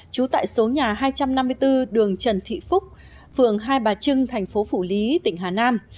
trú tại số nhà hai trăm năm mươi bốn đường trần thị phúc phường hai bà trưng thành phố phủ lý tỉnh hà nam